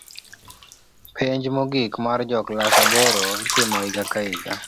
Penj mogik mar jo klas aboro itimo iga ka iga